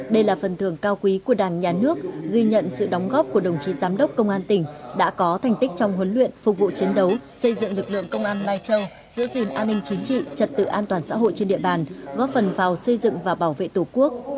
đây là phần thưởng cao quý của đảng nhà nước ghi nhận sự đóng góp của đồng chí giám đốc công an tỉnh đã có thành tích trong huấn luyện phục vụ chiến đấu xây dựng lực lượng công an mai châu giữ gìn an ninh chính trị trật tự an toàn xã hội trên địa bàn góp phần vào xây dựng và bảo vệ tổ quốc